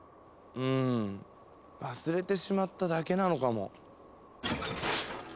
うん忘れてしまっただけなのかも。